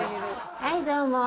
はいどうも。